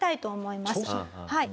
はい。